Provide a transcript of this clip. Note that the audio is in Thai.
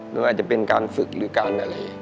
ไม่ว่าจะเป็นการฝึกหรือการอะไร